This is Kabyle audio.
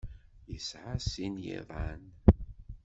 Yesɛa sin n yiḍan.